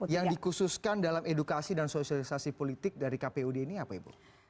yang dikhususkan dalam edukasi dan sosialisasi politik dari kpud ini apa ibu